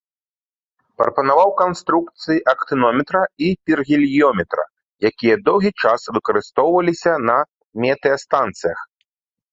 Прапанаваў канструкцыі актынометра і піргеліёметра, якія доўгі час выкарыстоўваліся на метэастанцыях.